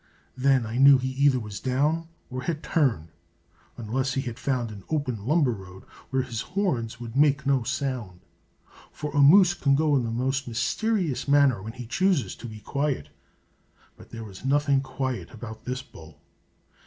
Then I knew he either was down or had turned, unless he had found an open lumber road, where his horns would make no sound; for a moose can go in the most mysterious manner when he chooses to be quiet but there was nothing quiet about this bull.